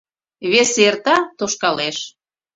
Весе эрта — тошкалеш.